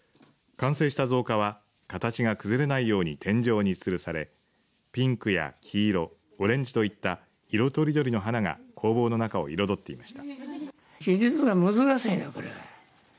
完成した造花は形が崩れないように天井につるされピンクや黄色オレンジといった色とりどりの花が工房の中を彩っていました。